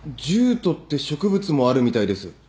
ジュートって植物もあるみたいです。